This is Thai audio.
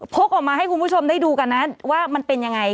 กออกมาให้คุณผู้ชมได้ดูกันนะว่ามันเป็นยังไง